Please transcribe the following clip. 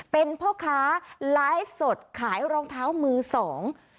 เป็นพ่อค้าไลฟ์สดขายรองเท้ามือสอง